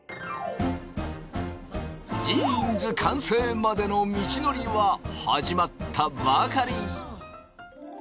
ジーンズ完成までの道のりは始まったばかり。